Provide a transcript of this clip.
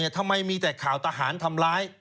ทำไมมีแต่ข่าวทหารทำร้าย